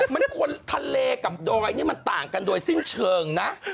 มันคนทะเลกับดอยนี่มันต่างกันโดยสิ้นเชิงนะ